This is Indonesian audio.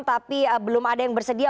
tapi belum ada yang bersedia